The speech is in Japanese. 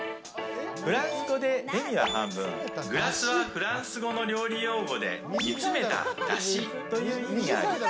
フランス語でデミは半分、グラスはフランス語の料理用語で煮詰めたダシという意味があります。